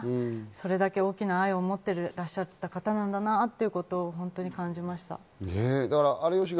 それだけ大きな愛を持っていらっしゃった方なんだなということを本当に感じました。